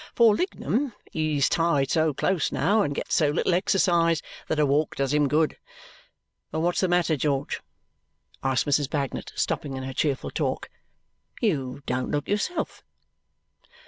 For Lignum, he's tied so close now, and gets so little exercise, that a walk does him good. But what's the matter, George?" asks Mrs. Bagnet, stopping in her cheerful talk. "You don't look yourself."